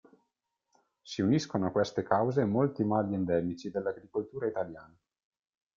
Si uniscono a queste cause molti mali endemici dell'agricoltura italiana.